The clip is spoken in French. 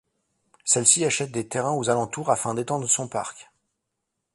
Celle-ci achète des terrains aux alentours afin d'étendre son parc.